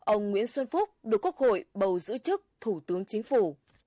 ông nguyễn xuân phúc được quốc hội bầu giữ chức thủ tướng chính phủ